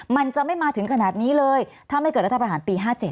มันจะไม่มาถึงขนาดนี้เลยถ้าไม่เกิดรัฐประหารปี๕๗